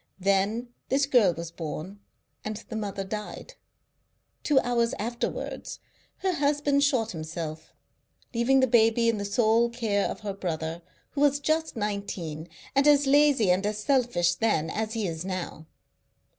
Then this girl was born, and the mother died. Two hours afterwards her husband shot himself, leaving the baby in the sole care of her brother, who was just nineteen, and as lazy and as selfish then as he is now.